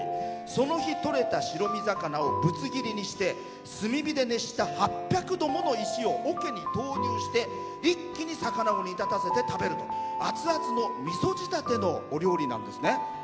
その日とれた白身魚をぶつ切りにして炭火で熱した８００度もの石をおけに投入して一気に魚を煮立たせて食べるアツアツのみそ仕立てのお料理なんですね。